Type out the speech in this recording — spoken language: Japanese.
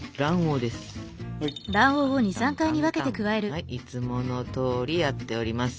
はいいつものとおりやっております。